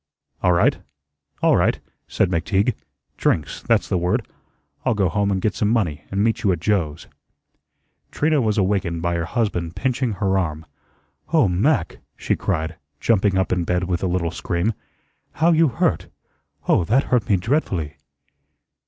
"All right, all right," said McTeague. "Drinks, that's the word. I'll go home and get some money and meet you at Joe's." Trina was awakened by her husband pinching her arm. "Oh, Mac," she cried, jumping up in bed with a little scream, "how you hurt! Oh, that hurt me dreadfully."